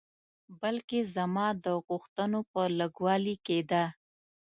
بلکې زما د غوښتنو په لږوالي کې ده.